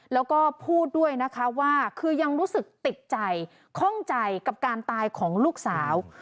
แล้วก็พูดด้วยนะคะว่าคือยังรู้สึกติดใจข้องใจกับการตายของลูกสาว